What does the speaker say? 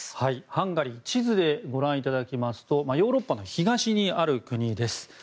ハンガリー地図でご覧いただきますとヨーロッパの東にある国です。